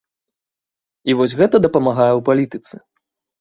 І вось гэта дапамагае ў палітыцы.